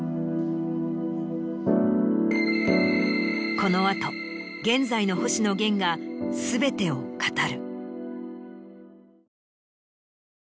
この後現在の星野源が全てを語る。